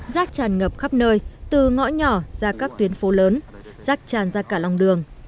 rác tràn ngập khắp nơi từ ngõ nhỏ ra các tuyến phố lớn rác tràn ra cả lòng đường